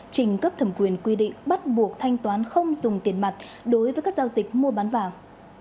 trình cấp thẩm quyền quy định bắt buộc thanh toán không dùng tiền mặt đối với các giao dịch mua bán vàng